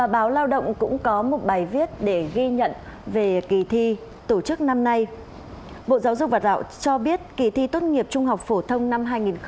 bộ giáo dục và đào tạo cho biết kỳ thi tốt nghiệp trung học phổ thông năm hai nghìn hai mươi